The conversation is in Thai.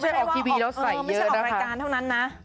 ใช่ค่ะไม่ใช่ออกทีพีแล้วใส่เยอะนะคะไม่ใช่ออกรายการเท่านั้นนะ